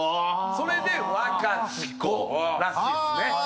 それで「ワカチコ」らしいですね。